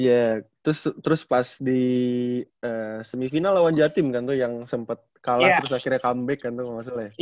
iya terus pas di semifinal lawan jatim kan tuh yang sempet kalah terus akhirnya comeback kan tuh maksudnya